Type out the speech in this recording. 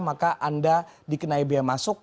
maka anda dikenai biaya masuk